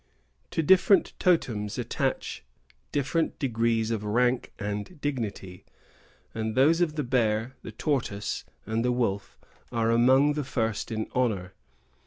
To different totems attach different degrees of rank and dignity; and those of the Bear, the Tortoise, and the Wolf are among the first in honor.